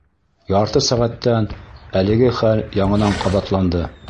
Ярты сәғәттән әлеге хәл яңынан ҡабатланды.